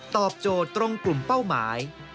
ตอบโจทย์ตรงกลุ่มเป้าหมาย